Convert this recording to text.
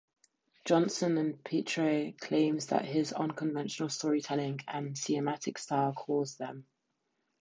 Johnson and Petrie claim that his unconventional storytelling and cinematic style caused them.